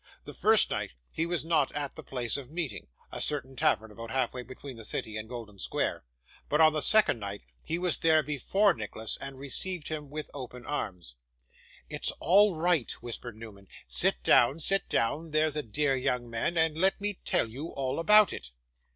The first night he was not at the place of meeting (a certain tavern about half way between the city and Golden Square), but on the second night he was there before Nicholas, and received him with open arms. 'It's all right,' whispered Newman. 'Sit down. Sit down, there's a dear young man, and let me tell you all about it.